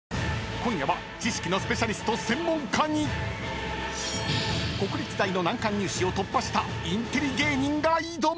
［今夜は知識のスペシャリスト専門家に国立大の難関入試を突破したインテリ芸人が挑む！］